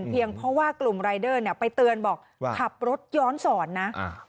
เพราะว่ากลุ่มรายเดอร์เนี่ยไปเตือนบอกขับรถย้อนสอนนะ